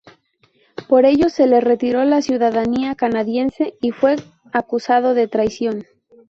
Por ello, se le retiró la ciudadanía canadiense y fue acusado de traición.